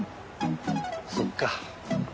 そっか。